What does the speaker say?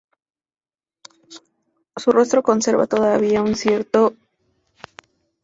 Su rostro conserva todavía un cierto hieratismo propio de la tradición medieval.